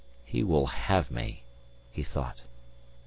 "He will have me," he thought.